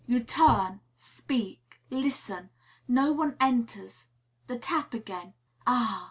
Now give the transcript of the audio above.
You turn, speak, listen; no one enters; the tap again. Ah!